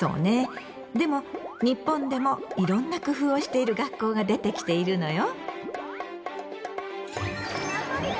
でも日本でもいろんな工夫をしている学校が出てきているのよ。